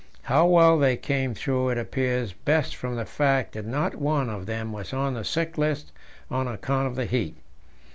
How well they came through it appears best from the fact that not one of them was on the sick list on account of the heat.